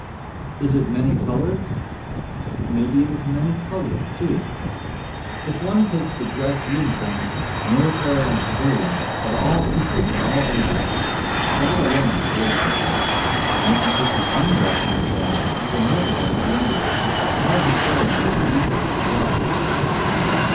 Is it many coloured? May be it is many coloured, too: if one takes the dress uniforms, military and civilian, of all peoples in all ages—that alone is worth something, and if you take the undress uniforms you will never get to the end of it; no historian would be equal to the job.